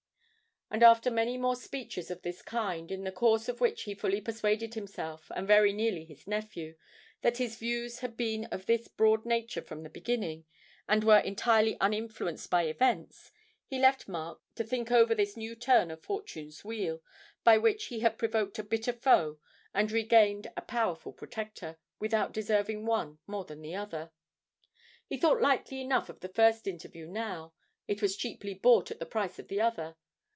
And after many more speeches of this kind, in the course of which he fully persuaded himself, and very nearly his nephew, that his views had been of this broad nature from the beginning, and were entirely uninfluenced by events, he left Mark to think over this new turn of fortune's wheel, by which he had provoked a bitter foe and regained a powerful protector, without deserving one more than the other. He thought lightly enough of the first interview now; it was cheaply bought at the price of the other.